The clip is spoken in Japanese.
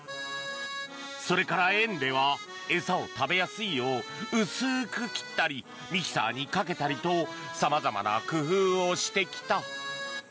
それから園では餌を食べやすいよう薄く切ったりミキサーにかけたりと様々な工夫をしてきた。